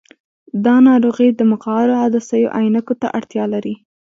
دا ناروغي د مقعرو عدسیو عینکو ته اړتیا لري.